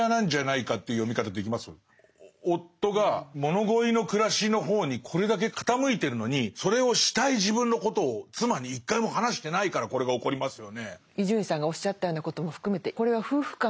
夫が物乞いの暮らしの方にこれだけ傾いてるのにそれをしたい自分のことを妻に一回も話してないからこれが起こりますよね。